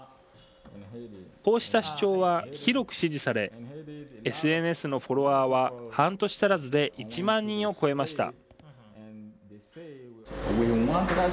こうした主張は広く支持されＳＮＳのフォロワーは半年足らずで１万人を超えました。